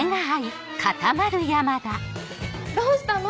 どうしたの？